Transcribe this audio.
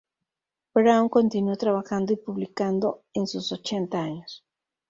Braun continuó trabajando y publicando en sus ochenta años.